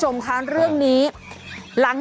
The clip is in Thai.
จัดกระบวนพร้อมกัน